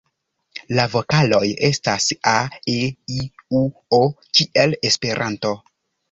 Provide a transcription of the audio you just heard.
La vokaloj estas a,e,i,u,o kiel Esperanto.